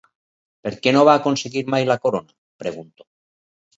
Per què no va aconseguir mai la corona?, pregunto.